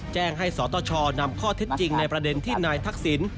แจ้งให้สตชนำข้อเท็จจริงในประเด็นที่นายทักษิณ